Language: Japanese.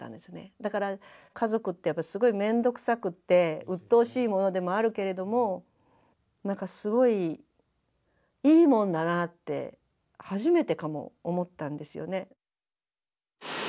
だから家族ってやっぱすごい面倒くさくってうっとうしいものでもあるけれどもなんかすごいいいもんだなって初めてかも思ったんですよね。